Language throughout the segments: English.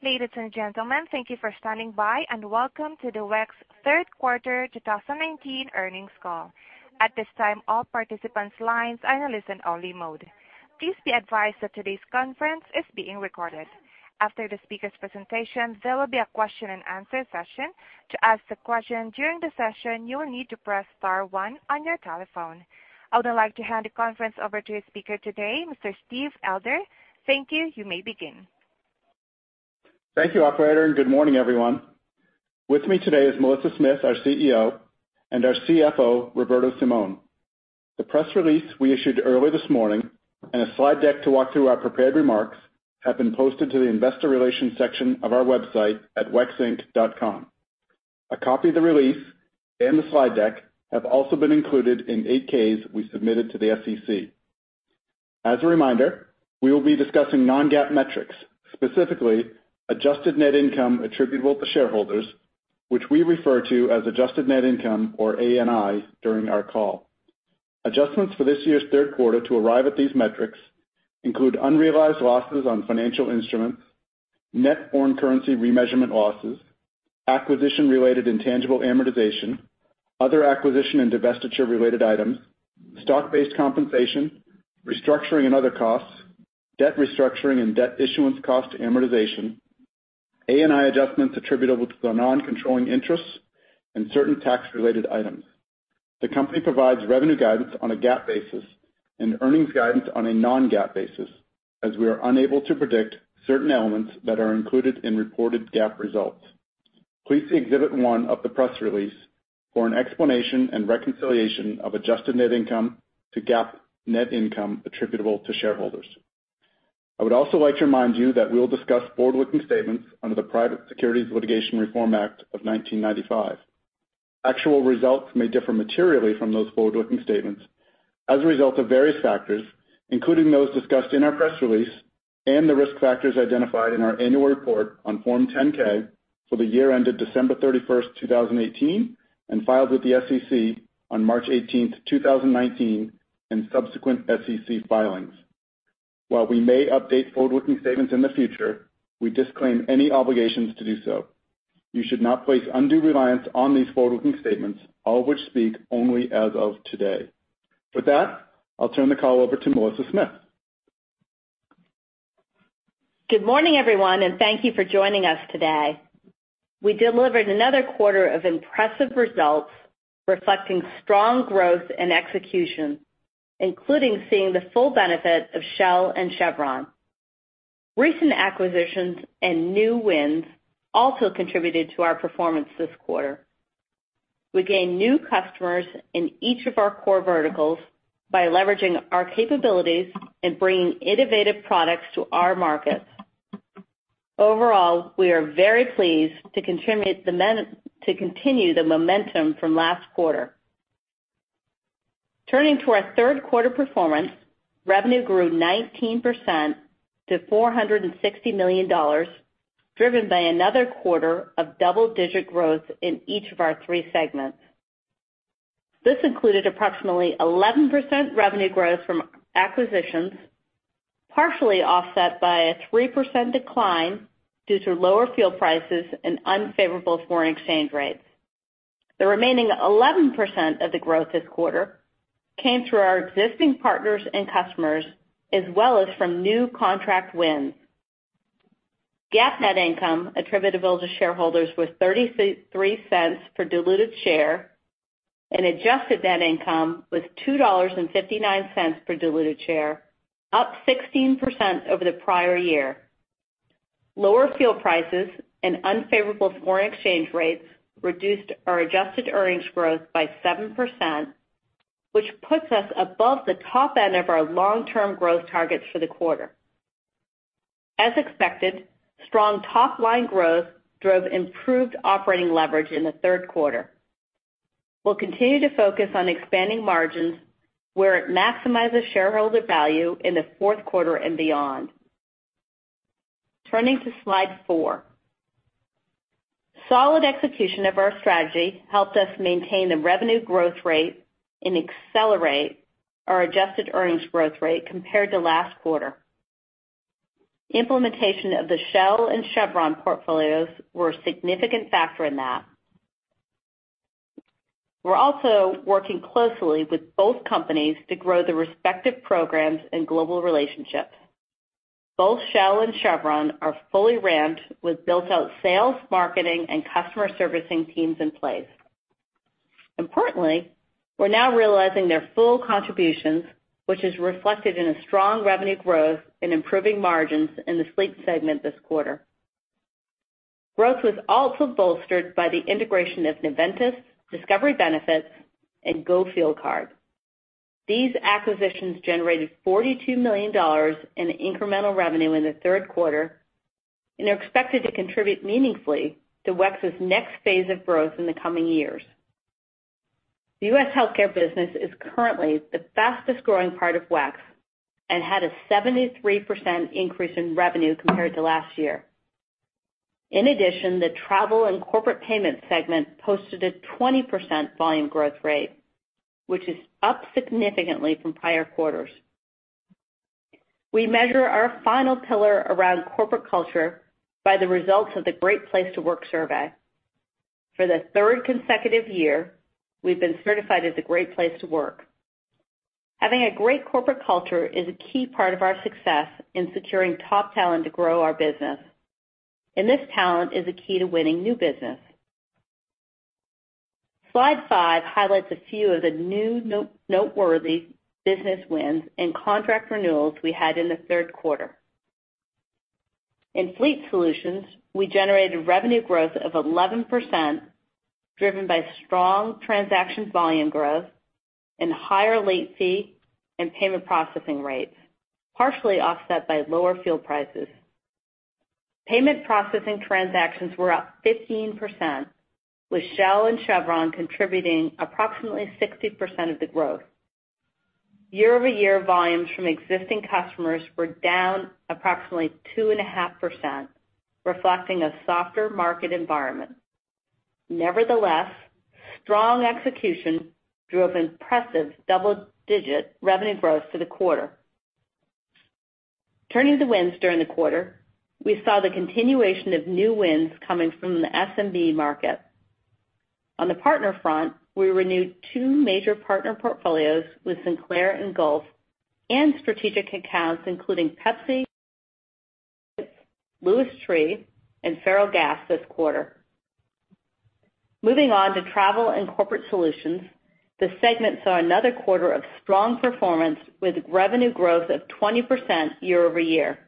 Ladies and gentlemen, thank you for standing by, and welcome to the WEX third quarter 2019 earnings call. At this time, all participants' lines are in listen only mode. Please be advised that today's conference is being recorded. After the speaker's presentation, there will be a question and answer session. To ask a question during the session, you will need to press star one on your telephone. I would now like to hand the conference over to the speaker today, Mr. Steve Elder. Thank you. You may begin. Thank you, operator. Good morning, everyone. With me today is Melissa Smith, our CEO, and our CFO, Roberto Simon. The press release we issued earlier this morning and a slide deck to walk through our prepared remarks have been posted to the investor relations section of our website at wexinc.com. A copy of the release and the slide deck have also been included in 8-Ks we submitted to the SEC. A reminder, we will be discussing non-GAAP metrics, specifically Adjusted Net Income attributable to shareholders, which we refer to as Adjusted Net Income or ANI during our call. Adjustments for this year's third quarter to arrive at these metrics include unrealized losses on financial instruments, net foreign currency remeasurement losses, acquisition-related intangible amortization, other acquisition and divestiture-related items, stock-based compensation, restructuring and other costs, debt restructuring and debt issuance cost amortization, ANI adjustments attributable to the non-controlling interests, and certain tax-related items. The company provides revenue guidance on a GAAP basis and earnings guidance on a non-GAAP basis, as we are unable to predict certain elements that are included in reported GAAP results. Please see Exhibit One of the press release for an explanation and reconciliation of Adjusted Net Income to GAAP net income attributable to shareholders. I would also like to remind you that we'll discuss forward-looking statements under the Private Securities Litigation Reform Act of 1995. Actual results may differ materially from those forward-looking statements as a result of various factors, including those discussed in our press release and the risk factors identified in our annual report on Form 10-K for the year ended December 31st, 2018, and filed with the SEC on March 18th, 2019, and subsequent SEC filings. While we may update forward-looking statements in the future, we disclaim any obligations to do so. You should not place undue reliance on these forward-looking statements, all of which speak only as of today. With that, I'll turn the call over to Melissa Smith. Good morning, everyone, and thank you for joining us today. We delivered another quarter of impressive results reflecting strong growth and execution, including seeing the full benefit of Shell and Chevron. Recent acquisitions and new wins also contributed to our performance this quarter. We gained new customers in each of our core verticals by leveraging our capabilities and bringing innovative products to our markets. Overall, we are very pleased to continue the momentum from last quarter. Turning to our third quarter performance, revenue grew 19% to $460 million, driven by another quarter of double-digit growth in each of our three segments. This included approximately 11% revenue growth from acquisitions, partially offset by a 3% decline due to lower fuel prices and unfavorable foreign exchange rates. The remaining 11% of the growth this quarter came through our existing partners and customers, as well as from new contract wins. GAAP net income attributable to shareholders was $0.33 per diluted share, and Adjusted Net Income was $2.59 per diluted share, up 16% over the prior year. Lower fuel prices and unfavorable foreign exchange rates reduced our adjusted earnings growth by 7%, which puts us above the top end of our long-term growth targets for the quarter. As expected, strong top-line growth drove improved operating leverage in the third quarter. We'll continue to focus on expanding margins where it maximizes shareholder value in the fourth quarter and beyond. Turning to Slide four. Solid execution of our strategy helped us maintain the revenue growth rate and accelerate our adjusted earnings growth rate compared to last quarter. Implementation of the Shell and Chevron portfolios were a significant factor in that. We're also working closely with both companies to grow the respective programs and global relationships. Both Shell and Chevron are fully ramped with built-out sales, marketing, and customer servicing teams in place. Importantly, we're now realizing their full contributions, which is reflected in a strong revenue growth and improving margins in the fleet segment this quarter. Growth was also bolstered by the integration of Noventis, Discovery Benefits, and GO fuel card. These acquisitions generated $42 million in incremental revenue in the third quarter and are expected to contribute meaningfully to WEX's next phase of growth in the coming years. The U.S. healthcare business is currently the fastest-growing part of WEX and had a 73% increase in revenue compared to last year. In addition, the travel and corporate payment segment posted a 20% volume growth rate. Which is up significantly from prior quarters. We measure our final pillar around corporate culture by the results of the Great Place to Work survey. For the third consecutive year, we've been certified as a Great Place to Work. Having a great corporate culture is a key part of our success in securing top talent to grow our business, and this talent is a key to winning new business. Slide five highlights a few of the new noteworthy business wins and contract renewals we had in the third quarter. In Fleet Solutions, we generated revenue growth of 11%, driven by strong transactions volume growth and higher late fee and payment processing rates, partially offset by lower fuel prices. Payment processing transactions were up 15%, with Shell and Chevron contributing approximately 60% of the growth. Year-over-year volumes from existing customers were down approximately 2.5%, reflecting a softer market environment. Nevertheless, strong execution drove impressive double-digit revenue growth for the quarter. Turning to wins during the quarter, we saw the continuation of new wins coming from the SMB market. On the partner front, we renewed two major partner portfolios with Sinclair and Gulf, and strategic accounts including Pepsi, Lewis Tree and Ferrellgas this quarter. Moving on to Travel and Corporate Solutions, the segment saw another quarter of strong performance with revenue growth of 20% year-over-year.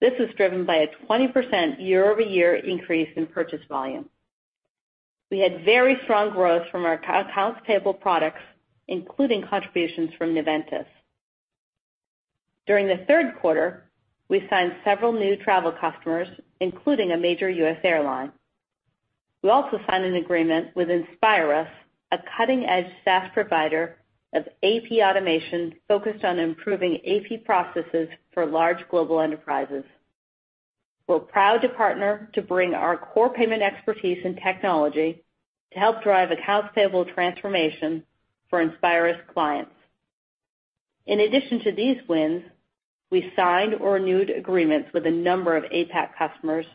This was driven by a 20% year-over-year increase in purchase volume. We had very strong growth from our accounts payable products, including contributions from Noventis. During the third quarter, we signed several new travel customers, including a major U.S. airline. We also signed an agreement with Inspyrus, a cutting-edge SaaS provider of AP automation focused on improving AP processes for large global enterprises. We're proud to partner to bring our core payment expertise and technology to help drive accounts payable transformation for Inspyrus clients. In addition to these wins, we signed or renewed agreements with a number of APAC customers,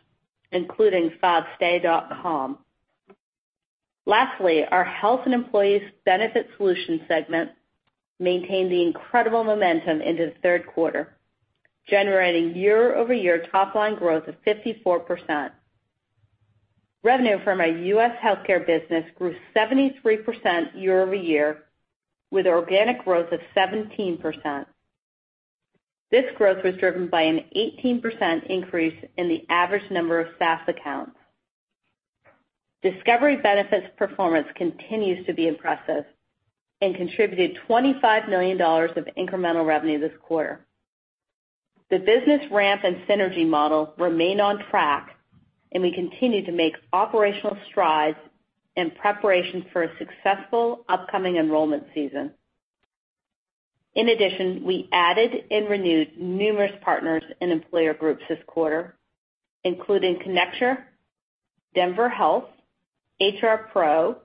including Fabstay.com. Lastly, our Health and Employee Benefit Solutions segment maintained the incredible momentum into the third quarter, generating year-over-year top line growth of 54%. Revenue from our U.S. healthcare business grew 73% year-over-year, with organic growth of 17%. This growth was driven by an 18% increase in the average number of SaaS accounts. Discovery Benefits' performance continues to be impressive and contributed $25 million of incremental revenue this quarter. The business ramp and synergy model remain on track, and we continue to make operational strides in preparation for a successful upcoming enrollment season. In addition, we added and renewed numerous partners and employer groups this quarter, including Connecture, Denver Health, HRPro,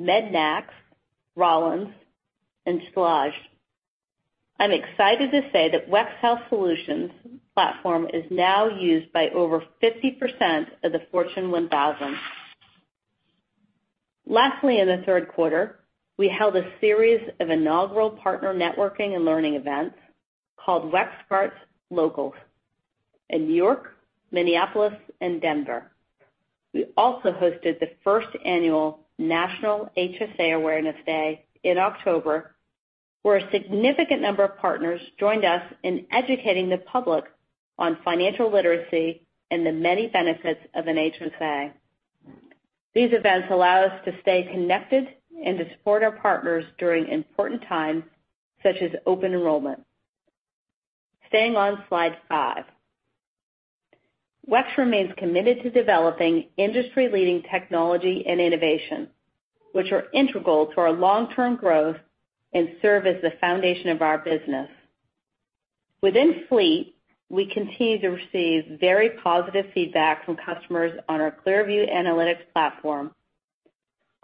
Mednax, Rollins and Schlage. I'm excited to say that WEX Health Solutions platform is now used by over 50% of the Fortune 1000. Lastly, in the third quarter, we held a series of inaugural partner networking and learning events called WEXcards Locals in New York, Minneapolis and Denver. We also hosted the first annual National HSA Awareness Day in October, where a significant number of partners joined us in educating the public on financial literacy and the many benefits of an HSA. These events allow us to stay connected and to support our partners during important times such as open enrollment. Staying on slide five. WEX remains committed to developing industry-leading technology and innovation, which are integral to our long-term growth and serve as the foundation of our business. Within Fleet, we continue to receive very positive feedback from customers on our ClearView Analytics platform.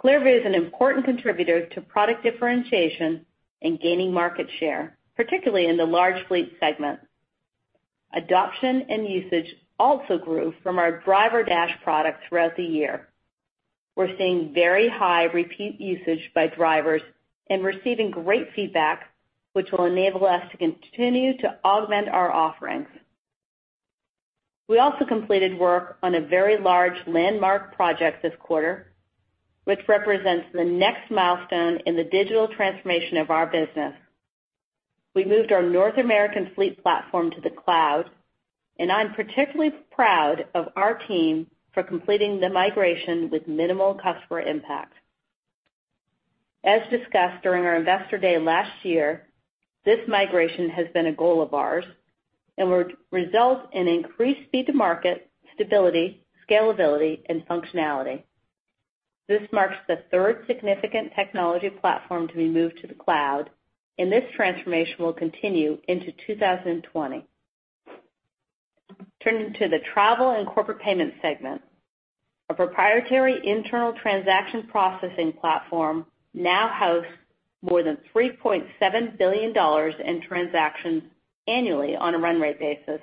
ClearView is an important contributor to product differentiation and gaining market share, particularly in the large fleet segment. Adoption and usage also grew from our DriverDash product throughout the year. We're seeing very high repeat usage by drivers and receiving great feedback, which will enable us to continue to augment our offerings. We also completed work on a very large landmark project this quarter, which represents the next milestone in the digital transformation of our business. We moved our North American Fleet platform to the cloud, and I'm particularly proud of our team for completing the migration with minimal customer impact. As discussed during our investor day last year, this migration has been a goal of ours and will result in increased speed to market, stability, scalability and functionality. This marks the third significant technology platform to be moved to the cloud. This transformation will continue into 2020. Turning to the Travel and Corporate Solutions segment. A proprietary internal transaction processing platform now hosts more than $3.7 billion in transactions annually on a run rate basis.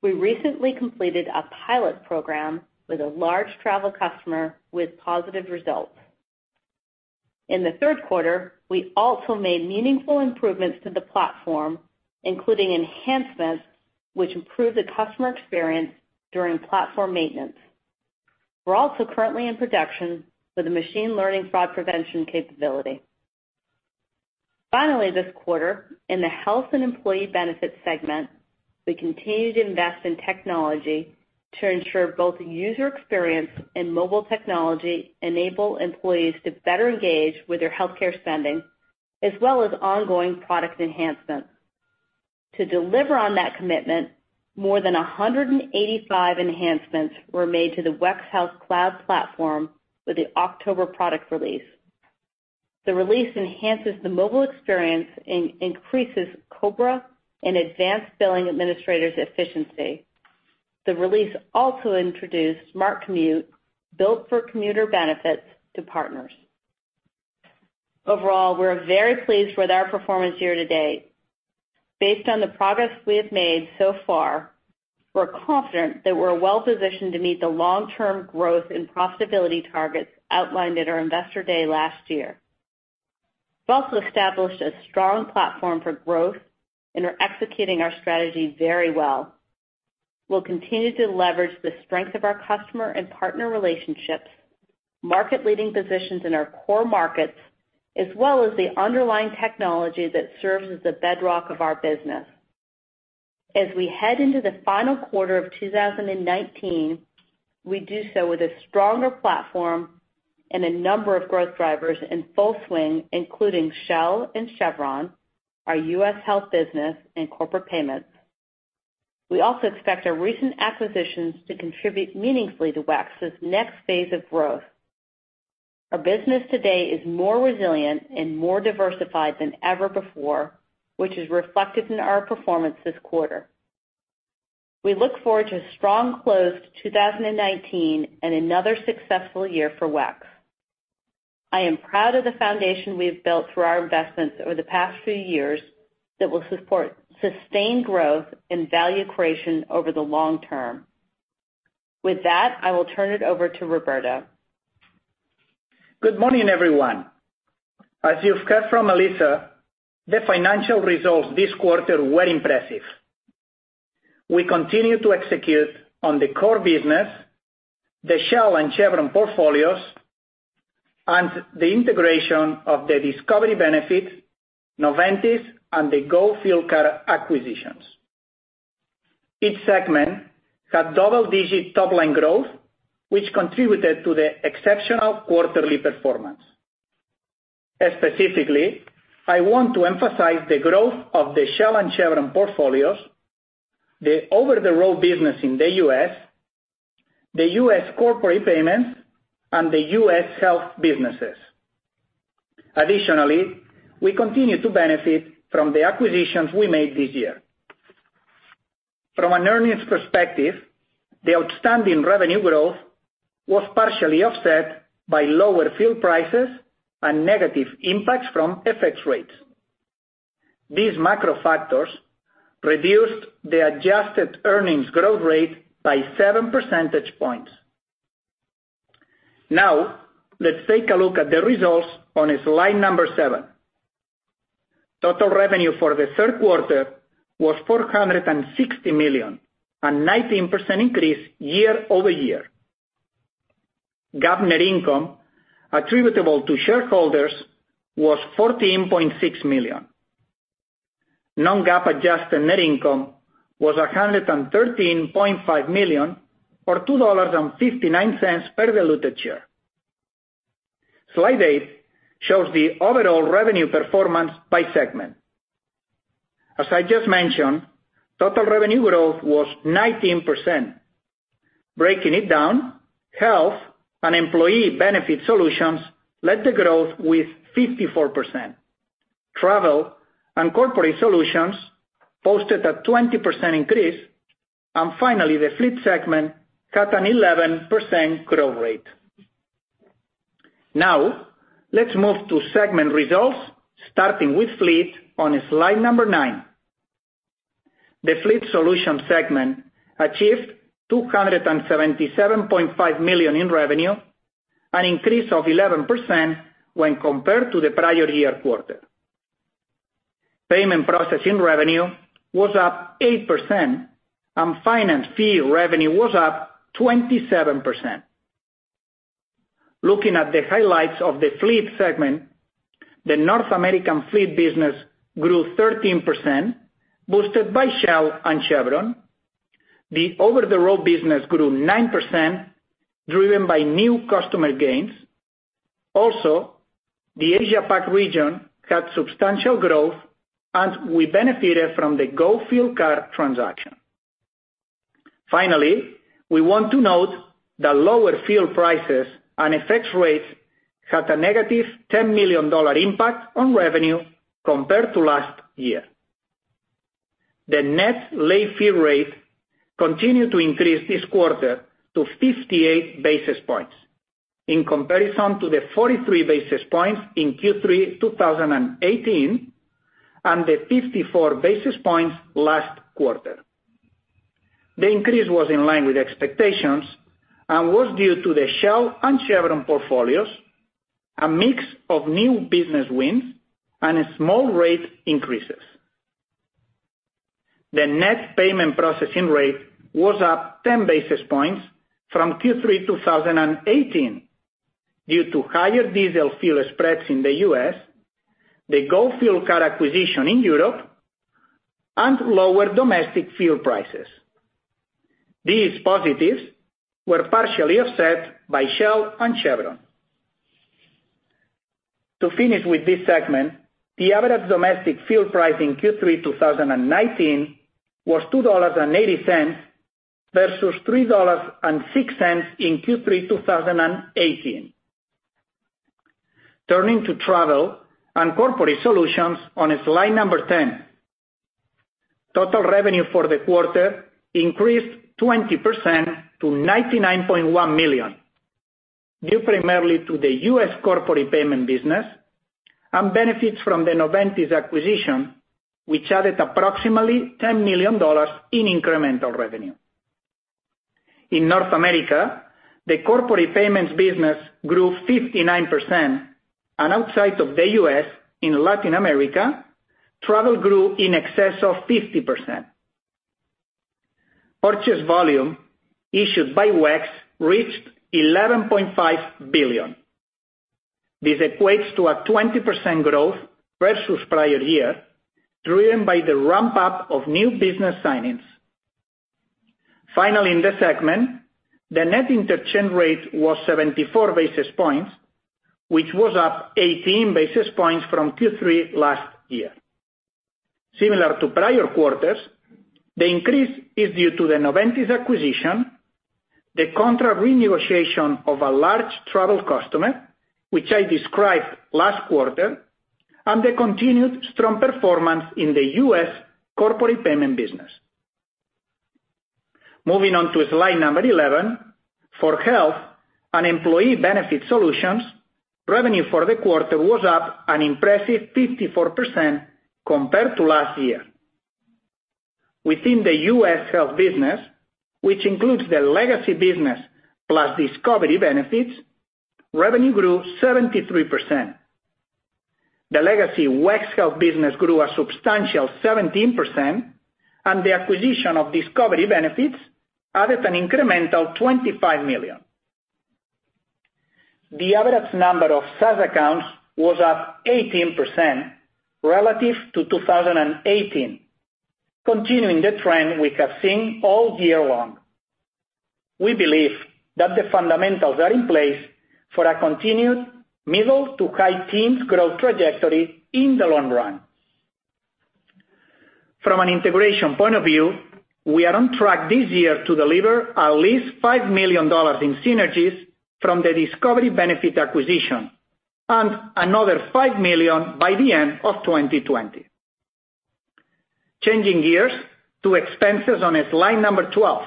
We recently completed a pilot program with a large travel customer with positive results. In the third quarter, we also made meaningful improvements to the platform, including enhancements which improve the customer experience during platform maintenance. We are also currently in production with a machine learning fraud prevention capability. Finally, this quarter, in the Health and Employee Benefit Solutions segment, we continue to invest in technology to ensure both user experience and mobile technology enable employees to better engage with their healthcare spending, as well as ongoing product enhancements. To deliver on that commitment, more than 185 enhancements were made to the WEX Health Cloud platform with the October product release. The release enhances the mobile experience and increases COBRA and advanced billing administrators' efficiency. The release also introduced Smart Commute, built for commuter benefits to partners. Overall, we're very pleased with our performance year to date. Based on the progress we have made so far, we're confident that we're well-positioned to meet the long-term growth and profitability targets outlined at our investor day last year. We've also established a strong platform for growth and are executing our strategy very well. We'll continue to leverage the strength of our customer and partner relationships, market-leading positions in our core markets, as well as the underlying technology that serves as the bedrock of our business. As we head into the final quarter of 2019, we do so with a stronger platform and a number of growth drivers in full swing, including Shell and Chevron, our U.S. health business, and corporate payments. We also expect our recent acquisitions to contribute meaningfully to WEX's next phase of growth. Our business today is more resilient and more diversified than ever before, which is reflected in our performance this quarter. We look forward to a strong close to 2019 and another successful year for WEX. I am proud of the foundation we have built through our investments over the past few years that will support sustained growth and value creation over the long term. With that, I will turn it over to Roberto. Good morning, everyone. As you've heard from Melissa, the financial results this quarter were impressive. We continue to execute on the core business, the Shell and Chevron portfolios, the integration of the Discovery Benefits, Noventis, and the Go Fuel Card acquisitions. Each segment had double-digit top-line growth, which contributed to the exceptional quarterly performance. Specifically, I want to emphasize the growth of the Shell and Chevron portfolios, the over-the-road business in the U.S., the U.S. corporate payments, and the U.S. health businesses. We continue to benefit from the acquisitions we made this year. From an earnings perspective, the outstanding revenue growth was partially offset by lower fuel prices and negative impacts from FX rates. These macro factors reduced the adjusted earnings growth rate by seven percentage points. Now, let's take a look at the results on slide number seven. Total revenue for the third quarter was $460 million, a 19% increase year-over-year. GAAP net income attributable to shareholders was $14.6 million. Non-GAAP adjusted net income was $113.5 million or $2.59 per diluted share. Slide eight shows the overall revenue performance by segment. As I just mentioned, total revenue growth was 19%. Breaking it down, Health and Employee Benefit Solutions led the growth with 54%. Travel and Corporate Solutions posted a 20% increase, and finally, the fleet segment got an 11% growth rate. Now let's move to segment results, starting with fleet on slide number nine. The Fleet Solutions segment achieved $277.5 million in revenue, an increase of 11% when compared to the prior year quarter. Payment processing revenue was up 8%, and finance fee revenue was up 27%. Looking at the highlights of the fleet segment, the North American Fleet business grew 13%, boosted by Shell and Chevron. The over-the-road business grew 9%, driven by new customer gains. The APAC region had substantial growth, and we benefited from the Go Fuel Card transaction. Finally, we want to note that lower fuel prices and FX rates had a negative $10 million impact on revenue compared to last year. The net late fee rate continued to increase this quarter to 58 basis points, in comparison to the 43 basis points in Q3 2018, and the 54 basis points last quarter. The increase was in line with expectations and was due to the Shell and Chevron portfolios, a mix of new business wins, and small rate increases. The net payment processing rate was up 10 basis points from Q3 2018 due to higher diesel fuel spreads in the U.S., the Go Fuel Card acquisition in Europe, and lower domestic fuel prices. These positives were partially offset by Shell and Chevron. To finish with this segment, the average domestic fuel price in Q3 2019 was $2.80 versus $3.06 in Q3 2018. Turning to Travel and Corporate Solutions on slide number 10. Total revenue for the quarter increased 20% to $99.1 million, due primarily to the U.S. corporate payment business and benefits from the Noventis acquisition, which added approximately $10 million in incremental revenue. In North America, the corporate payments business grew 59%, and outside of the U.S., in Latin America, travel grew in excess of 50%. Purchase volume issued by WEX reached $11.5 billion. This equates to a 20% growth versus prior year, driven by the ramp-up of new business signings. Finally, in this segment, the net interchange rate was 74 basis points, which was up 18 basis points from Q3 last year. Similar to prior quarters, the increase is due to the Noventis acquisition, the contract renegotiation of a large travel customer, which I described last quarter, and the continued strong performance in the U.S. corporate payment business. Moving on to slide number 11. For Health and Employee Benefit Solutions, revenue for the quarter was up an impressive 54% compared to last year. Within the U.S. health business, which includes the legacy business plus Discovery Benefits, revenue grew 73%. The legacy WEX health business grew a substantial 17%, and the acquisition of Discovery Benefits added an incremental $25 million. The average number of SaaS accounts was up 18% relative to 2018, continuing the trend we have seen all year long. We believe that the fundamentals are in place for a continued middle-to-high teens growth trajectory in the long run. From an integration point of view, we are on track this year to deliver at least $5 million in synergies from the Discovery Benefits acquisition and another $5 million by the end of 2020. Changing gears to expenses on slide number 12.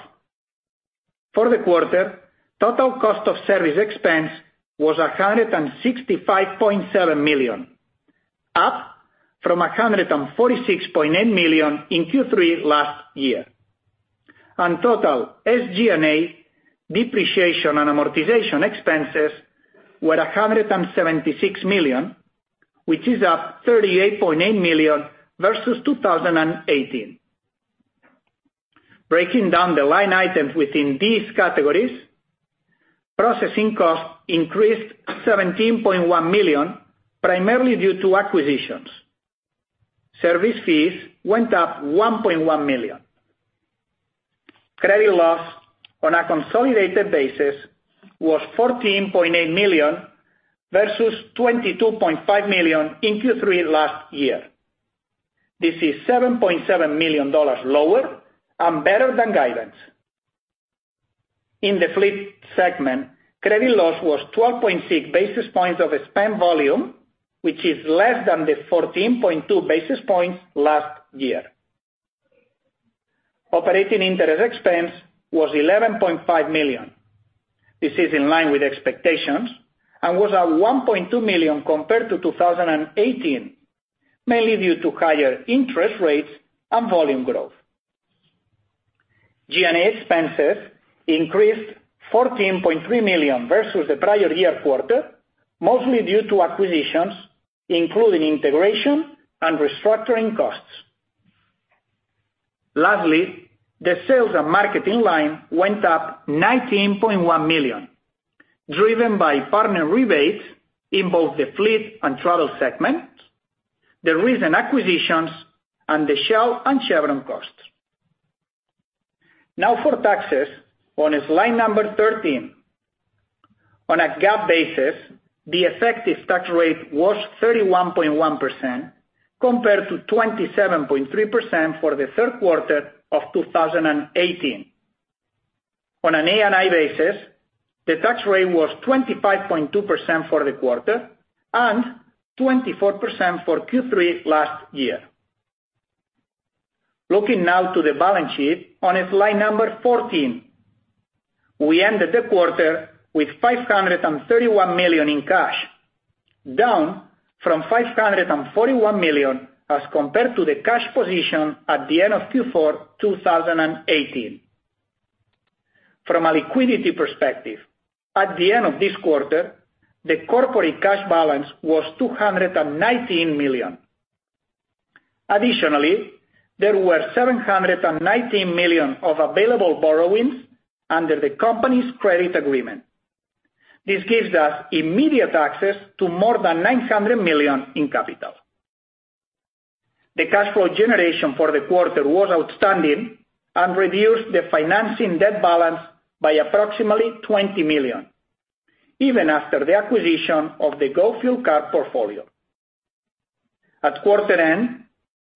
For the quarter, total cost of service expense was $165.7 million, up from $146.8 million in Q3 last year. Total SG&A depreciation and amortization expenses were $176 million, which is up $38.8 million versus 2018. Breaking down the line items within these categories, processing costs increased $17.1 million, primarily due to acquisitions. Service fees went up $1.1 million. Credit loss on a consolidated basis was $14.8 million versus $22.5 million in Q3 last year. This is $7.7 million lower and better than guidance. In the fleet segment, credit loss was 12.6 basis points of the spend volume, which is less than the 14.2 basis points last year. Operating interest expense was $11.5 million. This is in line with expectations and was at $1.2 million compared to 2018, mainly due to higher interest rates and volume growth. G&A expenses increased $14.3 million versus the prior year quarter, mostly due to acquisitions, including integration and restructuring costs. Lastly, the sales and marketing line went up $19.1 million, driven by partner rebates in both the fleet and travel segments, the recent acquisitions, and the Shell and Chevron costs. Now for taxes on slide number 13. On a GAAP basis, the effective tax rate was 31.1% compared to 27.3% for the third quarter of 2018. On an ANI basis, the tax rate was 25.2% for the quarter and 24% for Q3 last year. Looking now to the balance sheet on slide number 14. We ended the quarter with $531 million in cash, down from $541 million as compared to the cash position at the end of Q4 2018. From a liquidity perspective, at the end of this quarter, the corporate cash balance was $219 million. Additionally, there were $719 million of available borrowings under the company's credit agreement. This gives us immediate access to more than $900 million in capital. The cash flow generation for the quarter was outstanding and reduced the financing debt balance by approximately $20 million, even after the acquisition of the Go Fuel Card portfolio. At quarter end,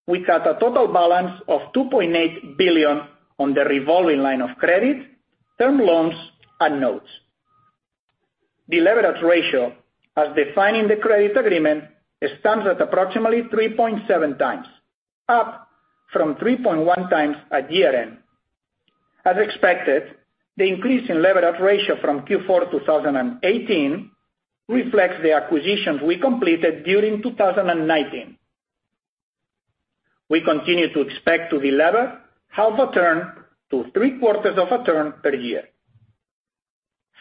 we got a total balance of $2.8 billion on the revolving line of credit, term loans, and notes. The leverage ratio as defined in the credit agreement stands at approximately 3.7 times, up from 3.1 times at year-end. As expected, the increase in leverage ratio from Q4 2018 reflects the acquisitions we completed during 2019. We continue to expect to delever half a turn to three-quarters of a turn per year.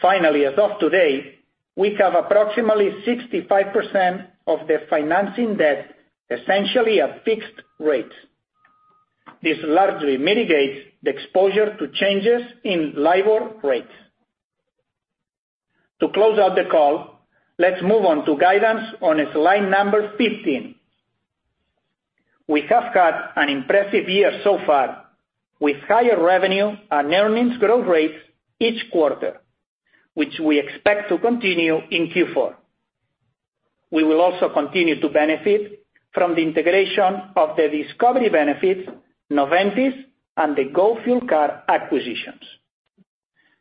Finally, as of today, we have approximately 65% of the financing debt, essentially at fixed rates. This largely mitigates the exposure to changes in LIBOR rates. To close out the call, let's move on to guidance on slide number 15. We have had an impressive year so far with higher revenue and earnings growth rates each quarter, which we expect to continue in Q4. We will also continue to benefit from the integration of the Discovery Benefits, Noventis, and the Go Fuel Card acquisitions.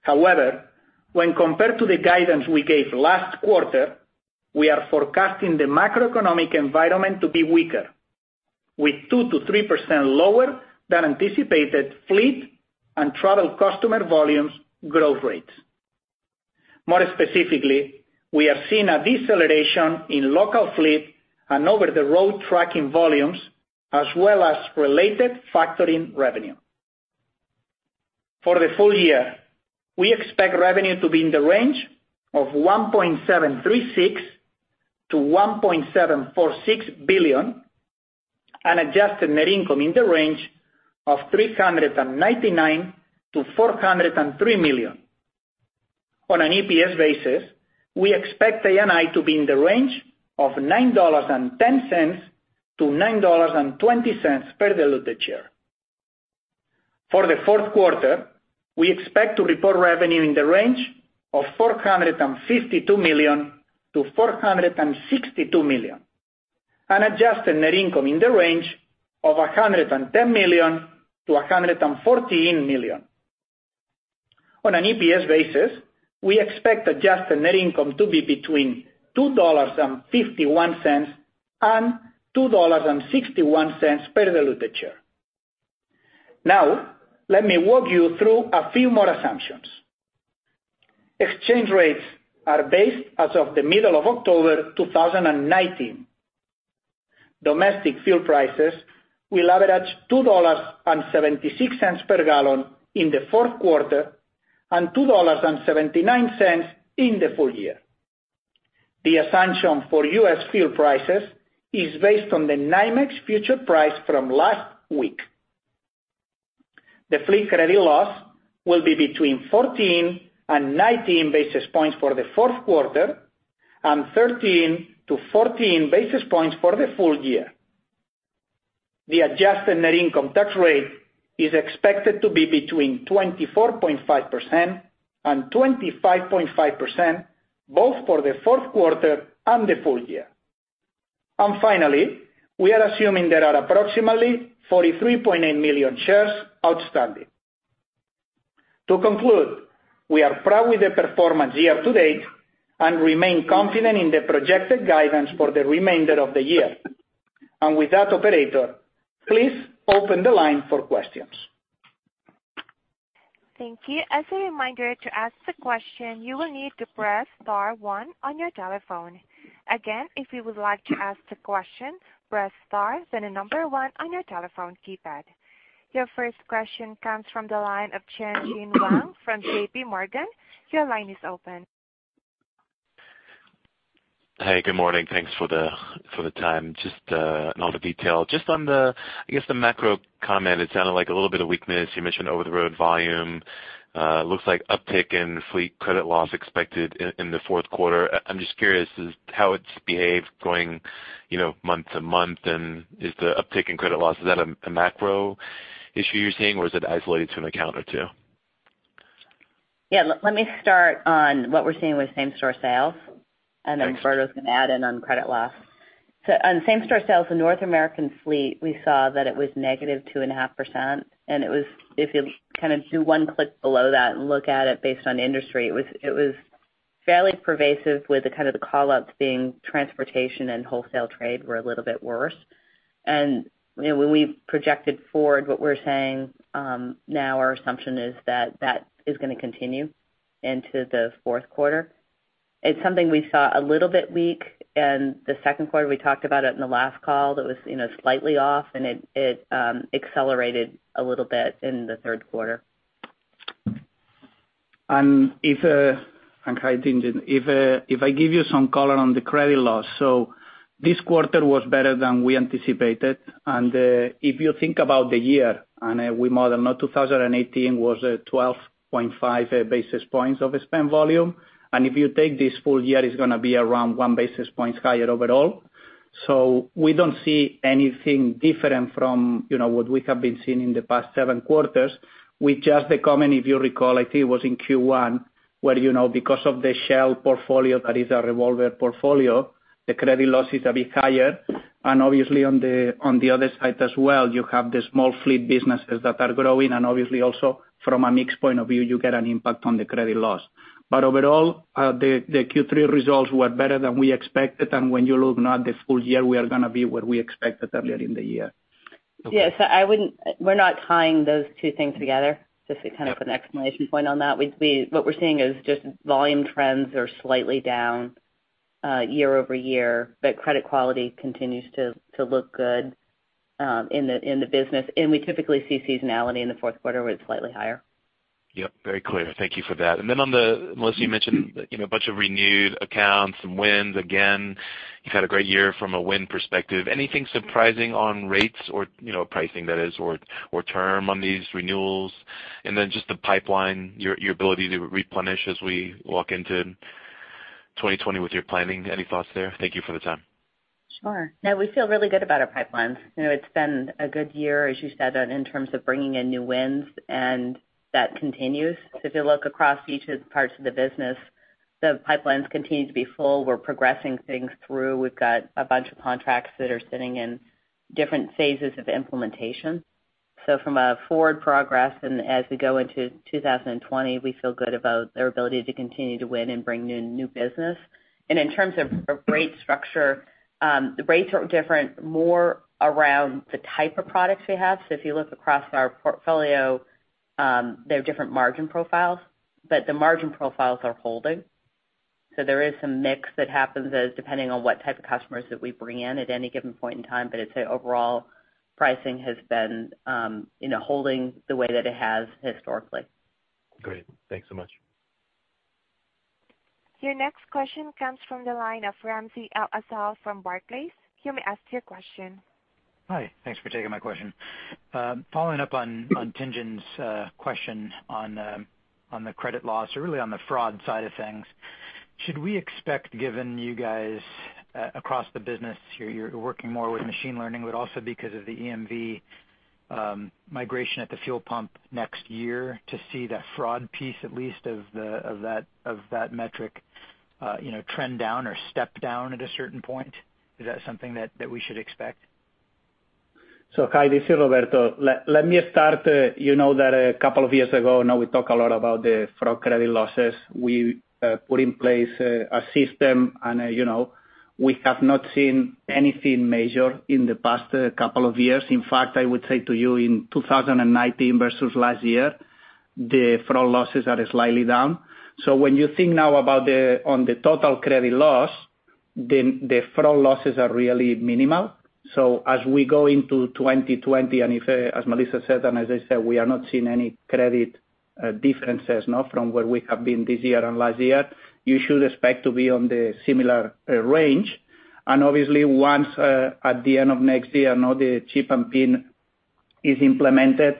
However, when compared to the guidance we gave last quarter, we are forecasting the macroeconomic environment to be weaker, with 2%-3% lower than anticipated fleet and travel customer volumes growth rates. More specifically, we are seeing a deceleration in local fleet and over-the-road tracking volumes, as well as related factoring revenue. For the full year, we expect revenue to be in the range of $1.736 billion-$1.746 billion and Adjusted Net Income in the range of $399 million-$403 million. On an EPS basis, we expect ANI to be in the range of $9.10-$9.20 per diluted share. For the fourth quarter, we expect to report revenue in the range of $452 million-$462 million and Adjusted Net Income in the range of $110 million-$114 million. On an EPS basis, we expect Adjusted Net Income to be between $2.51 and $2.61 per diluted share. Let me walk you through a few more assumptions. Exchange rates are based as of the middle of October 2019. Domestic fuel prices will average $2.76 per gallon in the fourth quarter and $2.79 in the full year. The assumption for U.S. fuel prices is based on the NYMEX future price from last week. The fleet credit loss will be between 14 and 19 basis points for the fourth quarter and 13 to 14 basis points for the full year. The adjusted net income tax rate is expected to be between 24.5% and 25.5%, both for the fourth quarter and the full year. Finally, we are assuming there are approximately 43.8 million shares outstanding. To conclude, we are proud with the performance year to date and remain confident in the projected guidance for the remainder of the year. With that, operator, please open the line for questions. Thank you. As a reminder, to ask the question, you will need to press star one on your telephone. Again, if you would like to ask the question, press star, then the number one on your telephone keypad. Your first question comes from the line of Tianyi Wang from JPMorgan. Your line is open. Hey, good morning. Thanks for the time. Just on all the detail. Just on the, I guess the macro comment, it sounded like a little bit of weakness. You mentioned over-the-road volume. Looks like uptick in fleet credit loss expected in the fourth quarter. I'm just curious how it's behaved going month-to-month, and is the uptick in credit loss, is that a macro issue you're seeing or is it isolated to an account or two? Yeah. Let me start on what we're seeing with same-store sales. Thanks. Roberto's going to add in on credit loss. On same-store sales, the North American Fleet, we saw that it was -2.5%. If you do one click below that and look at it based on industry, it was fairly pervasive with the call-outs being transportation and wholesale trade were a little bit worse. When we projected forward, what we're saying now, our assumption is that that is going to continue into the fourth quarter. It's something we saw a little bit weak in the second quarter. We talked about it in the last call, that it was slightly off, and it accelerated a little bit in the third quarter. If I give you some color on the credit loss. This quarter was better than we anticipated. If you think about the year, we model now 2018 was 12.5 basis points of the spend volume. If you take this full year, it's going to be around one basis point higher overall. We don't see anything different from what we have been seeing in the past seven quarters. The comment, if you recall, I think it was in Q1, where because of the Shell portfolio, that is our revolver portfolio, the credit loss is a bit higher. Obviously on the other side as well, you have the small fleet businesses that are growing and obviously also from a mix point of view, you get an impact on the credit loss. Overall, the Q3 results were better than we expected. When you look now at the full year, we are going to be what we expected earlier in the year. Yes. We're not tying those two things together, just to put an exclamation point on that. What we're seeing is just volume trends are slightly down year-over-year, but credit quality continues to look good in the business. We typically see seasonality in the fourth quarter where it's slightly higher. Yep, very clear. Thank you for that. Melissa, you mentioned a bunch of renewed accounts and wins. Again, you've had a great year from a win perspective. Anything surprising on rates or pricing that is, or term on these renewals? Just the pipeline, your ability to replenish as we walk into 2020 with your planning. Any thoughts there? Thank you for the time. Sure. No, we feel really good about our pipelines. It's been a good year, as you said, in terms of bringing in new wins, and that continues. If you look across each of the parts of the business, the pipelines continue to be full. We're progressing things through. We've got a bunch of contracts that are sitting in different phases of implementation. From a forward progress and as we go into 2020, we feel good about our ability to continue to win and bring in new business. In terms of rate structure, the rates are different more around the type of products we have. If you look across our portfolio, there are different margin profiles. The margin profiles are holding. There is some mix that happens as depending on what type of customers that we bring in at any given point in time, but I'd say overall pricing has been holding the way that it has historically. Great. Thanks so much. Your next question comes from the line of Ramsey El-Assal from Barclays. You may ask your question. Hi. Thanks for taking my question. Following up on [Tingen's] question on the credit loss or really on the fraud side of things, should we expect, given you guys across the business, you're working more with machine learning, but also because of the EMV migration at the fuel pump next year to see that fraud piece, at least of that metric trend down or step down at a certain point? Is that something that we should expect? Kai, this is Roberto. Let me start. You know that a couple of years ago now, we talk a lot about the fraud credit losses. We put in place a system and we have not seen anything major in the past couple of years. In fact, I would say to you in 2019 versus last year, the fraud losses are slightly down. When you think now about on the total credit loss, the fraud losses are really minimal. As we go into 2020, and as Melissa said, and as I said, we are not seeing any credit differences now from where we have been this year and last year. You should expect to be on the similar range. Obviously once at the end of next year, now the chip and PIN is implemented.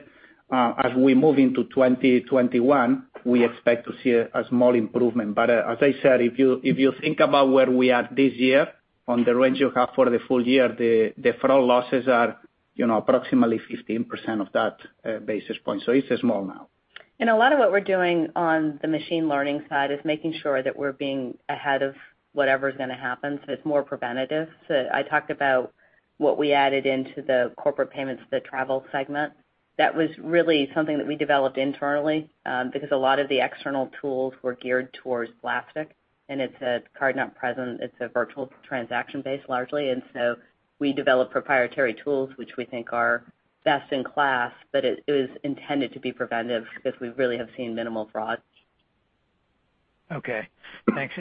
As we move into 2021, we expect to see a small improvement. As I said, if you think about where we are this year on the range you have for the full year, the fraud losses are approximately 15% of that basis point. It's small now. A lot of what we're doing on the machine learning side is making sure that we're being ahead of whatever's going to happen, so it's more preventative. I talked about what we added into the corporate payments, the travel segment. That was really something that we developed internally, because a lot of the external tools were geared towards plastic, and it's a card-not-present, it's a virtual transaction base largely. We developed proprietary tools which we think are best in class, but it was intended to be preventive because we really have seen minimal fraud. Okay, thanks.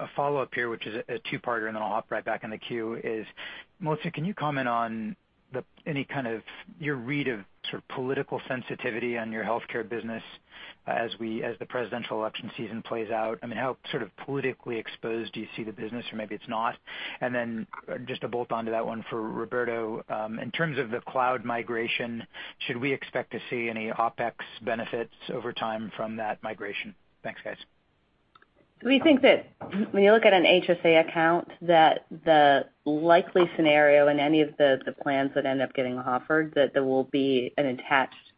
A follow-up here, which is a two-parter, then I'll hop right back in the queue is, Melissa, can you comment on any kind of your read of sort of political sensitivity on your healthcare business as the presidential election season plays out? I mean, how sort of politically exposed do you see the business, or maybe it's not? Just to bolt onto that one for Roberto, in terms of the cloud migration, should we expect to see any OpEx benefits over time from that migration? Thanks, guys. We think that when you look at an HSA account, that the likely scenario in any of the plans that end up getting offered, that there will be an attached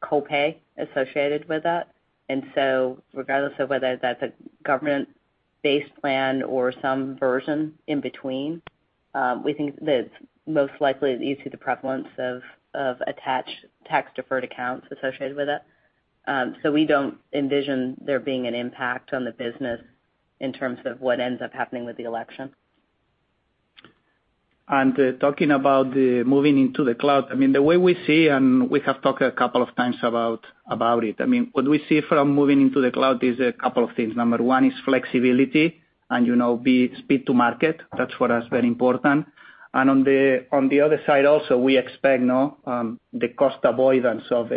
co-pay associated with that. Regardless of whether that's a government-based plan or some version in between, we think that most likely you see the prevalence of attached tax-deferred accounts associated with it. We don't envision there being an impact on the business in terms of what ends up happening with the election. Talking about the moving into the cloud. The way we see, and we have talked a couple of times about it. What we see from moving into the cloud is a couple of things. Number 1 is flexibility and speed to market. That's what is very important. On the other side also, we expect the cost avoidance of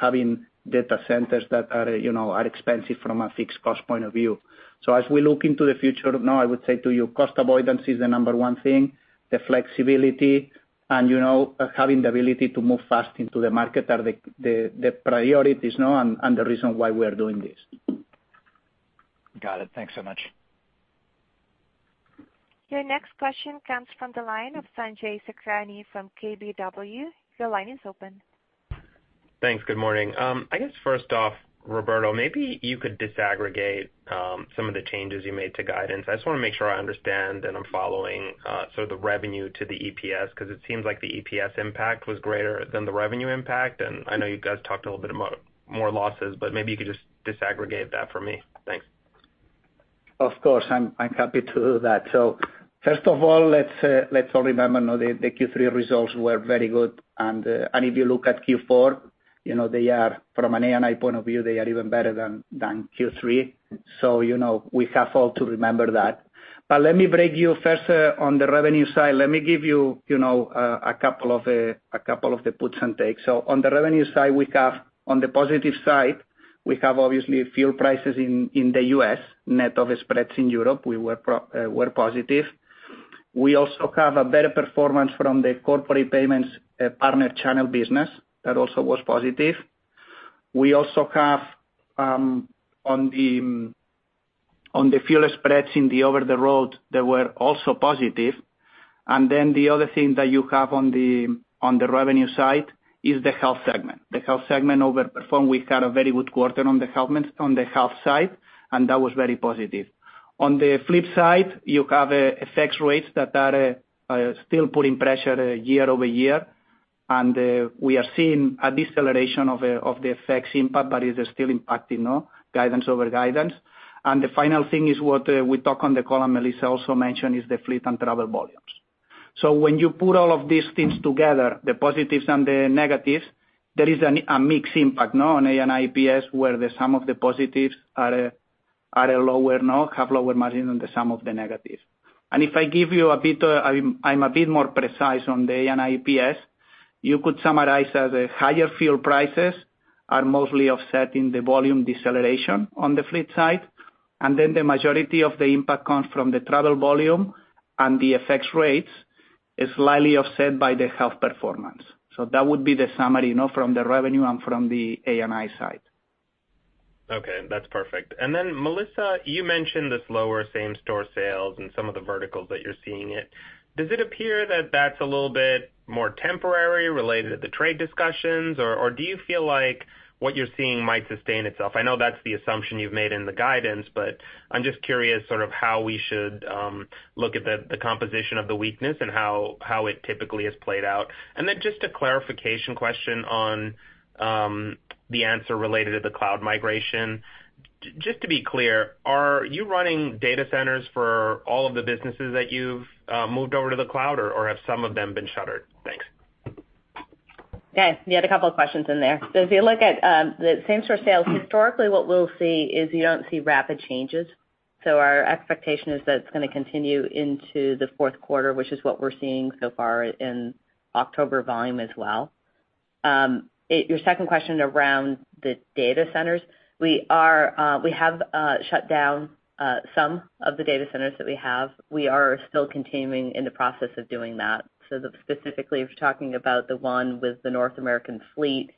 having data centers that are expensive from a fixed cost point of view. As we look into the future now, I would say to you, cost avoidance is the number 1 thing. The flexibility and having the ability to move fast into the market are the priorities now and the reason why we are doing this. Got it. Thanks so much. Your next question comes from the line of Sanjay Sakhrani from KBW. Your line is open. Thanks. Good morning. I guess first off, Roberto, maybe you could disaggregate some of the changes you made to guidance. I just want to make sure I understand and I'm following the revenue to the EPS, because it seems like the EPS impact was greater than the revenue impact. I know you guys talked a little bit more losses, but maybe you could just disaggregate that for me. Thanks. First of all, let's all remember now the Q3 results were very good, and if you look at Q4, from an ANI point of view, they are even better than Q3. Let me break you first on the revenue side. Let me give you a couple of the puts and takes. On the revenue side, we have, on the positive side, we have obviously fuel prices in the U.S., net of spreads in Europe. We were positive. We also have a better performance from the corporate payments partner channel business. That also was positive. We also have on the fuel spreads in the over-the-road that were also positive. The other thing that you have on the revenue side is the Health segment. The Health segment overperformed. We had a very good quarter on the health side. That was very positive. On the flip side, you have FX rates that are still putting pressure year-over-year. We are seeing a deceleration of the FX impact. It's still impacting guidance over guidance. The final thing is what we talk on the call, and Melissa also mentioned, is the fleet and travel volumes. When you put all of these things together, the positives and the negatives, there is a mixed impact now on ANI PS, where the sum of the positives have lower margin than the sum of the negatives. If I'm a bit more precise on the ANI PS, you could summarize that the higher fuel prices are mostly offsetting the volume deceleration on the fleet side, the majority of the impact comes from the travel volume and the FX rates is slightly offset by the health performance. That would be the summary from the revenue and from the ANI side. Okay, that's perfect. Melissa, you mentioned the slower same-store sales and some of the verticals that you're seeing it. Does it appear that that's a little bit more temporary related to the trade discussions, or do you feel like what you're seeing might sustain itself? I know that's the assumption you've made in the guidance, but I'm just curious sort of how we should look at the composition of the weakness and how it typically has played out. Just a clarification question on the answer related to the cloud migration. Just to be clear, are you running data centers for all of the businesses that you've moved over to the cloud, or have some of them been shuttered? Thanks. Yeah, you had a couple of questions in there. If you look at the same store sales, historically, what we'll see is you don't see rapid changes. Our expectation is that it's going to continue into the fourth quarter, which is what we're seeing so far in October volume as well. Your second question around the data centers. We have shut down some of the data centers that we have. We are still continuing in the process of doing that. Specifically, if you're talking about the one with the North American Fleet,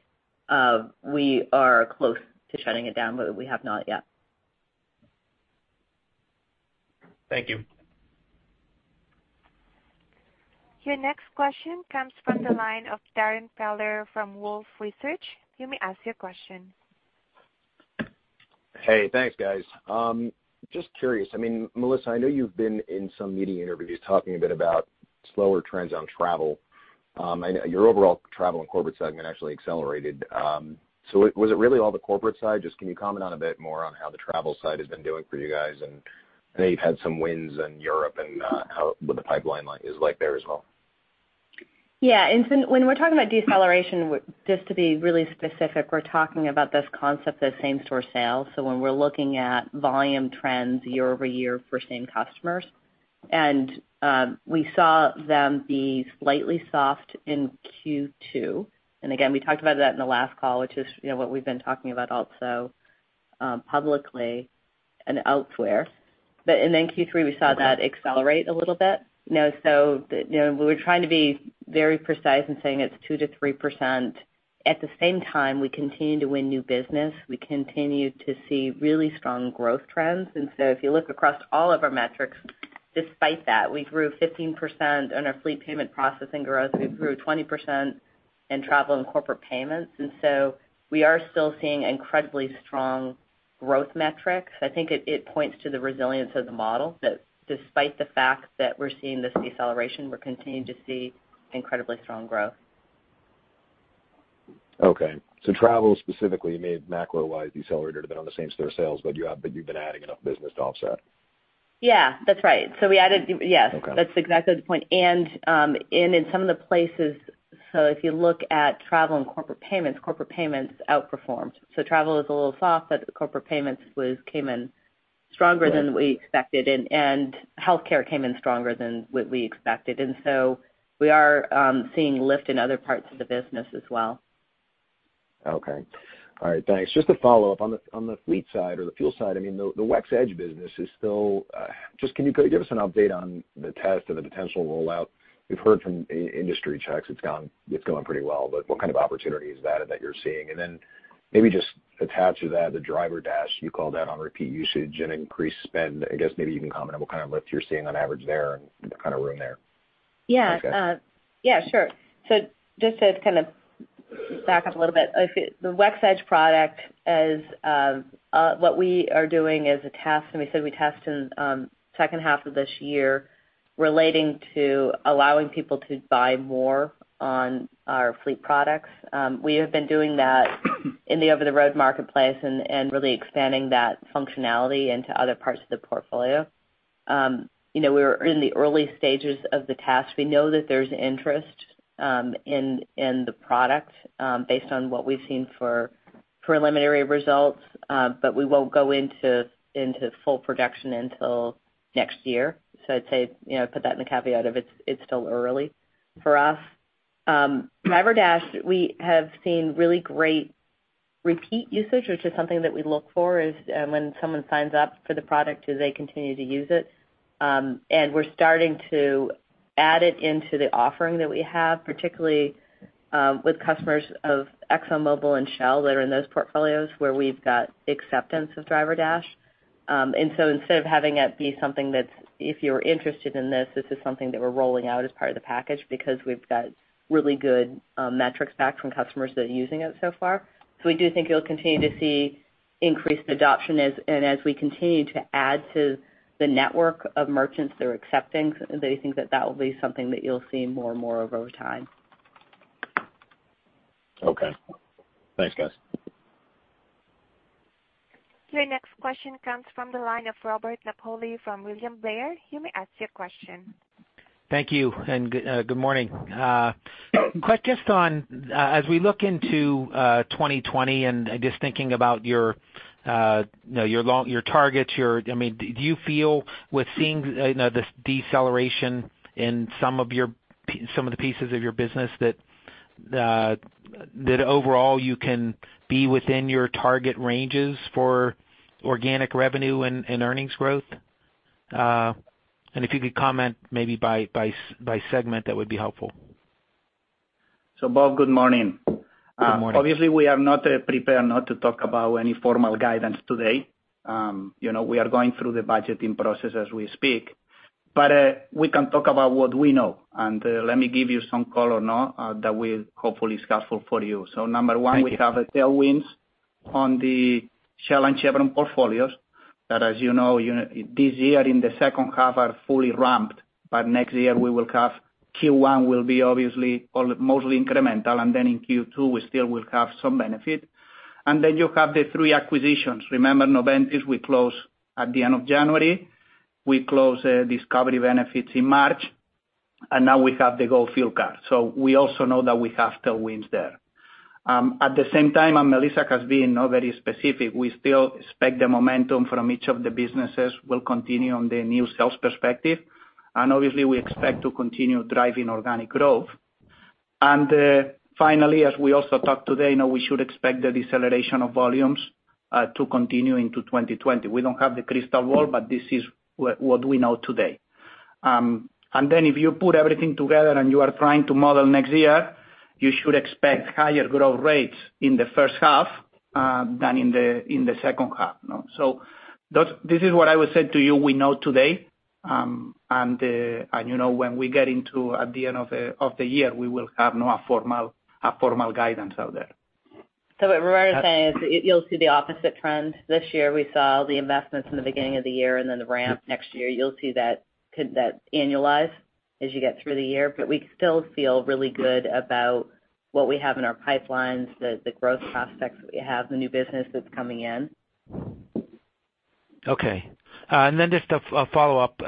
we are close to shutting it down, but we have not yet. Thank you. Your next question comes from the line of Darrin Peller from Wolfe Research. You may ask your question. Hey, thanks, guys. Just curious, Melissa, I know you've been in some media interviews talking a bit about slower trends on travel. Your overall Travel and Corporate segment actually accelerated. Was it really all the corporate side? Just can you comment on a bit more on how the travel side has been doing for you guys? I know you've had some wins in Europe and what the pipeline is like there as well. Yeah. When we're talking about deceleration, just to be really specific, we're talking about this concept of same-store sales. When we're looking at volume trends year-over-year for same customers. We saw them be slightly soft in Q2. Again, we talked about that in the last call, which is what we've been talking about also publicly and elsewhere. Q3, we saw that accelerate a little bit. We were trying to be very precise in saying it's 2%-3%. At the same time, we continue to win new business. We continue to see really strong growth trends. If you look across all of our metrics despite that, we grew 15% on our fleet payment processing growth. We grew 20% in travel and corporate payments, we are still seeing incredibly strong growth metrics. I think it points to the resilience of the model, that despite the fact that we're seeing this deceleration, we're continuing to see incredibly strong growth. Okay, travel specifically may have macro-wise decelerated a bit on the same store sales, but you've been adding enough business to offset. Yeah, that's right. Yes. Okay. That's exactly the point. In some of the places, if you look at Travel and Corporate Payments, Corporate Payments outperformed. Travel is a little soft, but Corporate Payments came in stronger than we expected, and Healthcare came in stronger than what we expected. We are seeing lift in other parts of the business as well. Okay. All right, thanks. Just to follow up, on the fleet side or the fuel side, the WEX EDGE business is still, can you give us an update on the test and the potential rollout? We've heard from industry checks it's going pretty well, but what kind of opportunity is that that you're seeing? Then maybe just attach to that the DriverDash, you called out on repeat usage and increased spend. I guess maybe you can comment on what kind of lift you're seeing on average there and kind of room there? Yeah. Okay. Yeah, sure. Just to kind of back up a little bit, the WEX EDGE product is, what we are doing is a test, and we said we test in second half of this year relating to allowing people to buy more on our fleet products. We have been doing that in the over-the-road marketplace and really expanding that functionality into other parts of the portfolio. We're in the early stages of the test. We know that there's interest in the product based on what we've seen for preliminary results. We won't go into full production until next year. I'd say, put that in the caveat of it's still early for us. DriverDash, we have seen really great repeat usage, which is something that we look for is when someone signs up for the product, do they continue to use it? We're starting to add it into the offering that we have, particularly with customers of ExxonMobil and Shell that are in those portfolios where we've got acceptance of DriverDash. Instead of having it be something that's, if you're interested in this is something that we're rolling out as part of the package because we've got really good metrics back from customers that are using it so far. We do think you'll continue to see increased adoption as we continue to add to the network of merchants that are accepting, they think that that will be something that you'll see more and more of over time. Okay. Thanks, guys. Your next question comes from the line of Robert Napoli from William Blair. You may ask your question. Thank you, and good morning. As we look into 2020 and just thinking about your targets, do you feel with seeing this deceleration in some of the pieces of your business, that overall you can be within your target ranges for organic revenue and earnings growth? If you could comment maybe by segment, that would be helpful. Bob, good morning. Good morning. Obviously, we are not prepared, not to talk about any formal guidance today. We are going through the budgeting process as we speak. We can talk about what we know, and let me give you some color now that will hopefully be helpful for you. Number one. Thank you. We have tailwinds on the Shell and Chevron portfolios that, as you know, this year in the second half are fully ramped, but next year we will have Q1 will be obviously mostly incremental, and then in Q2, we still will have some benefit. Then you have the three acquisitions. Remember Noventis we close at the end of January. We close Discovery Benefits in March, and now we have the Go Fuel Card. We also know that we have tailwinds there. At the same time, Melissa has been very specific, we still expect the momentum from each of the businesses will continue on the new sales perspective. Obviously, we expect to continue driving organic growth. Finally, as we also talked today, we should expect the deceleration of volumes to continue into 2020. We don't have the crystal ball, but this is what we know today. If you put everything together and you are trying to model next year, you should expect higher growth rates in the first half than in the second half. This is what I will say to you we know today, and when we get into at the end of the year, we will have now a formal guidance out there. What Roberto is saying is you'll see the opposite trend. This year, we saw the investments in the beginning of the year and then the ramp next year. You'll see that annualize as you get through the year. We still feel really good about what we have in our pipelines, the growth prospects that we have, the new business that's coming in. Okay. Just a follow-up.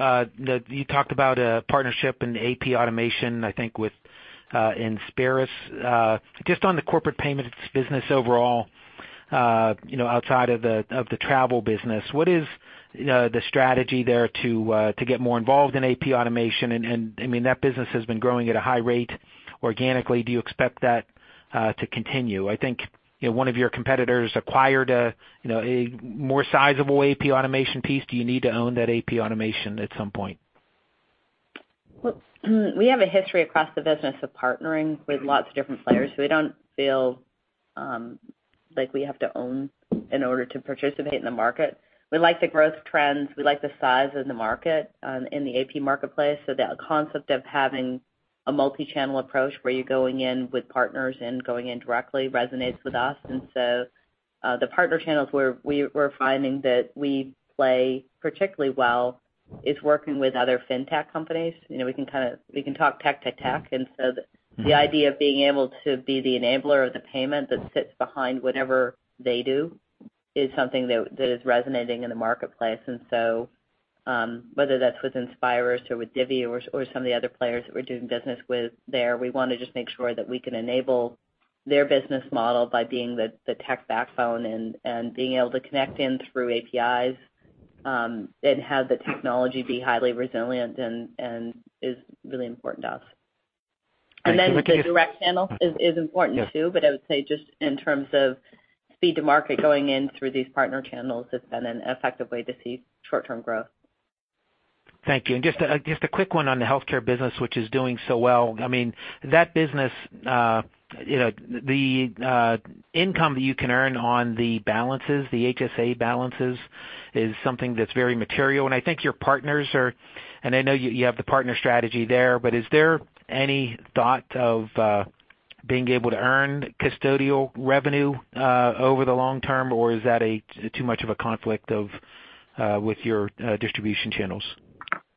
You talked about a partnership in AP automation, I think with Inspyrus. Just on the corporate payments business overall, outside of the travel business, what is the strategy there to get more involved in AP automation? That business has been growing at a high rate organically. Do you expect that to continue? I think one of your competitors acquired a more sizable AP automation piece. Do you need to own that AP automation at some point? Well, we have a history across the business of partnering with lots of different players. We don't feel like we have to own in order to participate in the market. We like the growth trends. We like the size of the market in the AP marketplace. That concept of having a multi-channel approach where you're going in with partners and going in directly resonates with us. The partner channels where we're finding that we play particularly well is working with other fintech companies. We can talk tech to tech. The idea of being able to be the enabler of the payment that sits behind whatever they do is something that is resonating in the marketplace. Whether that's with Inspyrus or with Divvy or some of the other players that we're doing business with there, we want to just make sure that we can enable their business model by being the tech backbone and being able to connect in through APIs, and have the technology be highly resilient and is really important to us. Thank you, Melissa. Then the direct channel is important too. Yes. I would say just in terms of speed to market, going in through these partner channels has been an effective way to see short-term growth. Thank you. Just a quick one on the healthcare business, which is doing so well. That business, the income that you can earn on the balances, the HSA balances, is something that’s very material. I think your partners are, and I know you have the partner strategy there, but is there any thought of being able to earn custodial revenue over the long term? Is that too much of a conflict with your distribution channels?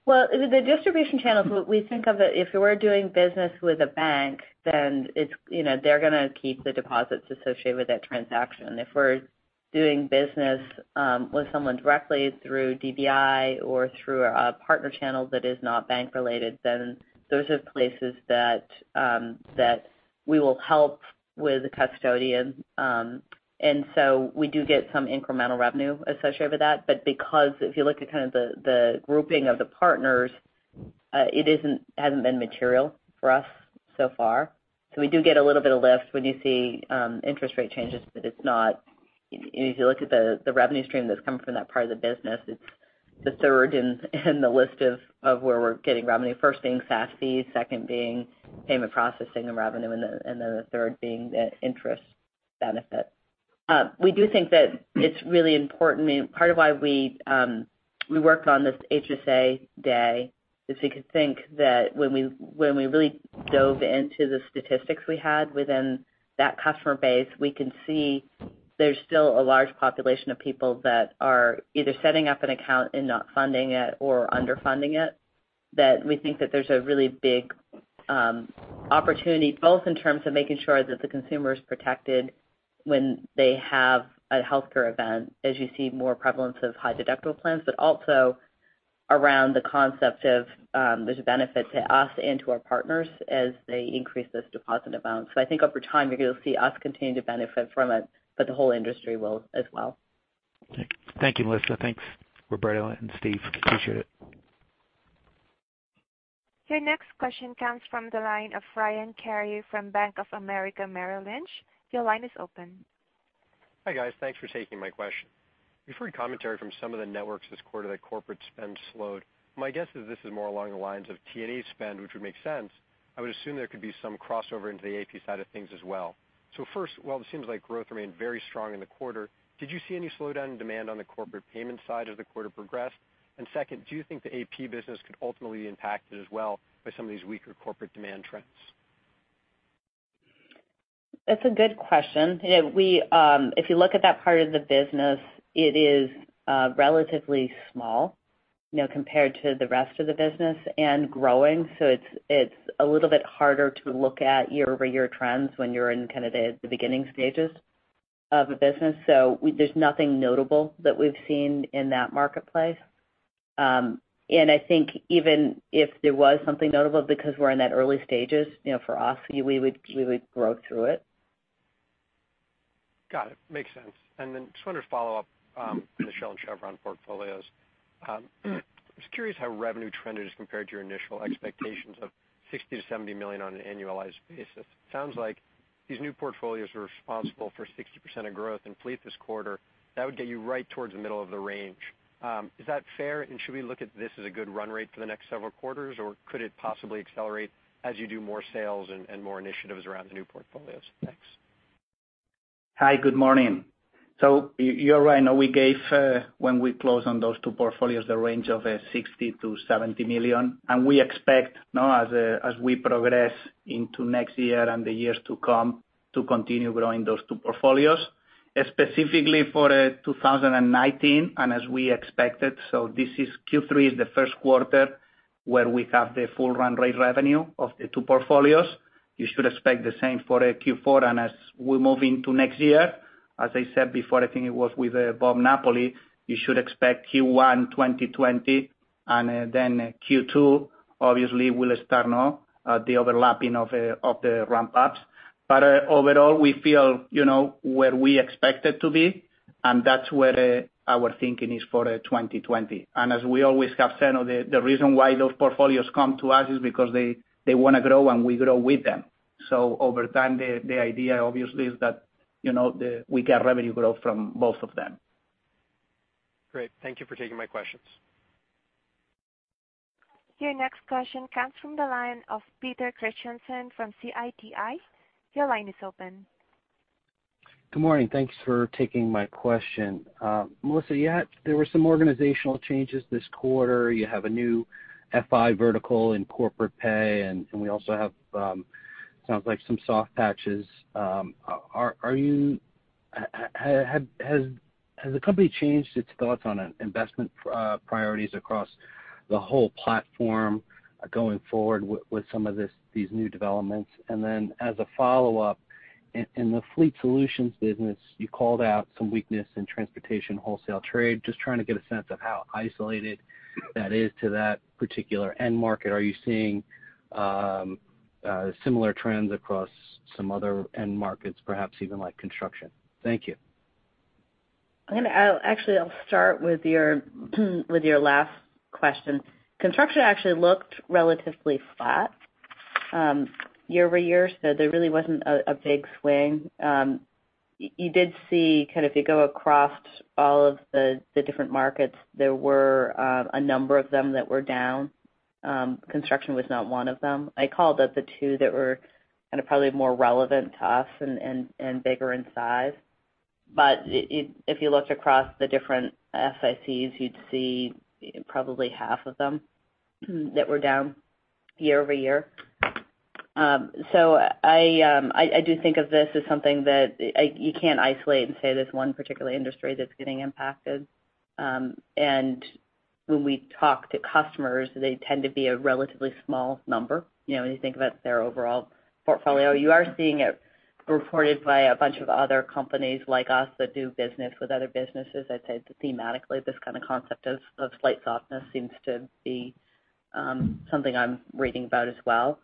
Well, the distribution channels, we think of it, if we're doing business with a bank, then they're going to keep the deposits associated with that transaction. If we're doing business with someone directly through DBI or through a partner channel that is not bank related, then those are places that we will help with the custodian. We do get some incremental revenue associated with that. Because if you look at kind of the grouping of the partners, it hasn't been material for us so far. We do get a little bit of lift when you see interest rate changes. If you look at the revenue stream that's coming from that part of the business, it's the third in the list of where we're getting revenue. First being SaaS fees, second being payment processing and revenue, the third being the interest benefit. We do think that it's really important, part of why we worked on this HSA Day is we could think that when we really dove into the statistics we had within that customer base, we can see there's still a large population of people that are either setting up an account and not funding it or underfunding it, that we think that there's a really big opportunity, both in terms of making sure that the consumer is protected when they have a healthcare event, as you see more prevalence of high deductible plans. Also around the concept of there's a benefit to us and to our partners as they increase this deposit amount. I think over time, you're going to see us continue to benefit from it, but the whole industry will as well. Thank you, Melissa. Thanks, Roberto and Steve. Appreciate it. Your next question comes from the line of Ryan Carey from Bank of America Merrill Lynch. Your line is open. Hi, guys. Thanks for taking my question. We've heard commentary from some of the networks this quarter that corporate spend slowed. My guess is this is more along the lines of T&E spend, which would make sense. I would assume there could be some crossover into the AP side of things as well. First, while it seems like growth remained very strong in the quarter, did you see any slowdown in demand on the corporate payment side as the quarter progressed? Second, do you think the AP business could ultimately be impacted as well by some of these weaker corporate demand trends? That's a good question. If you look at that part of the business, it is relatively small compared to the rest of the business and growing. It's a little bit harder to look at year-over-year trends when you're in kind of the beginning stages of a business. There's nothing notable that we've seen in that marketplace. I think even if there was something notable, because we're in that early stages, for us, we would grow through it. Got it. Makes sense. Just wanted to follow up on the Shell and Chevron portfolios. I was curious how revenue trended as compared to your initial expectations of $60 million-$70 million on an annualized basis. Sounds like these new portfolios are responsible for 60% of growth in fleet this quarter. That would get you right towards the middle of the range. Is that fair? Should we look at this as a good run rate for the next several quarters? Could it possibly accelerate as you do more sales and more initiatives around the new portfolios? Thanks. Hi. Good morning. You're right. We gave, when we closed on those two portfolios, the range of $60 million to $70 million. We expect now as we progress into next year and the years to come, to continue growing those two portfolios. Specifically for 2019, as we expected, this is Q3 is the first quarter where we have the full run rate revenue of the two portfolios. You should expect the same for Q4. As we move into next year, as I said before, I think it was with Bob Napoli, you should expect Q1 2020 and then Q2 obviously will start now, the overlapping of the ramp-ups. Overall, we feel where we expect it to be, and that's where our thinking is for 2020. As we always have said, the reason why those portfolios come to us is because they want to grow, and we grow with them. Over time, the idea obviously is that we get revenue growth from both of them. Great. Thank you for taking my questions. Your next question comes from the line of Peter Christiansen from Citi. Your line is open. Good morning. Thanks for taking my question. Melissa, there were some organizational changes this quarter. You have a new FI vertical in corporate pay, sounds like some soft patches. Has the company changed its thoughts on investment priorities across the whole platform going forward with some of these new developments? As a follow-up, in the Fleet Solutions business, you called out some weakness in transportation wholesale trade. Just trying to get a sense of how isolated that is to that particular end market. Are you seeing similar trends across some other end markets, perhaps even like construction? Thank you. Actually, I'll start with your last question. Construction actually looked relatively flat year-over-year, there really wasn't a big swing. You did see if you go across all of the different markets, there were a number of them that were down. Construction was not one of them. I called out the two that were probably more relevant to us and bigger in size. If you looked across the different SICs, you'd see probably half of them that were down year-over-year. I do think of this as something that you can't isolate and say there's one particular industry that's getting impacted. When we talk to customers, they tend to be a relatively small number. When you think about their overall portfolio, you are seeing it reported by a bunch of other companies like us that do business with other businesses. I'd say thematically, this kind of concept of slight softness seems to be something I'm reading about as well.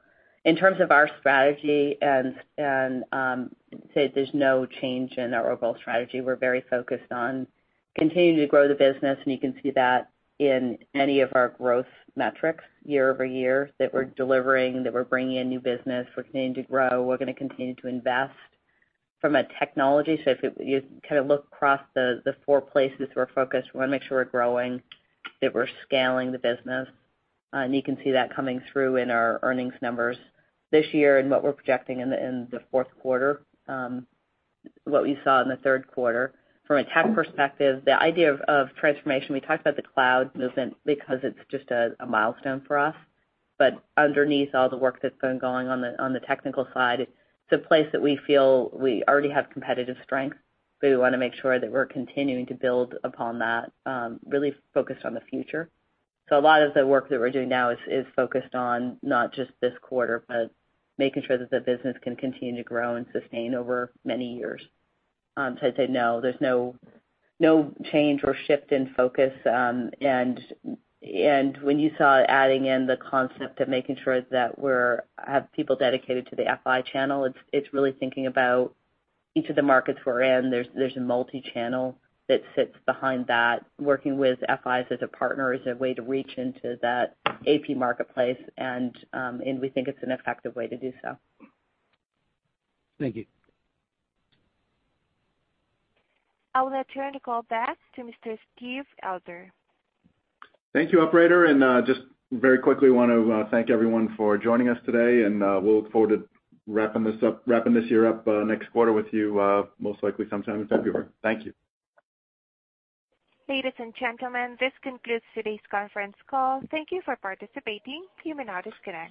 In terms of our strategy, I'd say there's no change in our overall strategy. We're very focused on continuing to grow the business, and you can see that in any of our growth metrics year over year, that we're delivering, that we're bringing in new business. We're continuing to grow. We're going to continue to invest from a technology. If you look across the four places we're focused, we want to make sure we're growing, that we're scaling the business. You can see that coming through in our earnings numbers this year and what we're projecting in the fourth quarter, what we saw in the third quarter. From a tech perspective, the idea of transformation, we talked about the cloud movement because it's just a milestone for us. Underneath all the work that's been going on the technical side, it's a place that we feel we already have competitive strength, so we want to make sure that we're continuing to build upon that, really focused on the future. A lot of the work that we're doing now is focused on not just this quarter, but making sure that the business can continue to grow and sustain over many years. I'd say no, there's no change or shift in focus. When you saw adding in the concept of making sure that we have people dedicated to the FI channel, it's really thinking about each of the markets we're in. There's a multi-channel that sits behind that. Working with FIs as a partner is a way to reach into that AP marketplace, and we think it's an effective way to do so. Thank you. I will now turn the call back to Mr. Steve Elder. Thank you, operator. Just very quickly want to thank everyone for joining us today, and we'll look forward to wrapping this year up next quarter with you, most likely sometime in February. Thank you. Ladies and gentlemen, this concludes today's conference call. Thank you for participating. You may now disconnect.